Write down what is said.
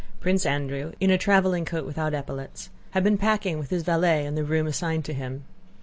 Prince Andrew in a traveling coat without epaulettes had been packing with his valet in the rooms assigned to him.